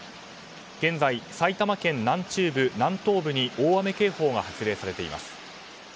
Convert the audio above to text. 現在、埼玉県南中部、南東部に大雨警報が発令されています。